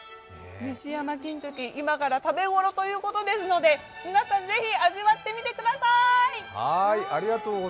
西山きんとき、今が食べ頃ということですので皆さん、ぜひ味わってみてください。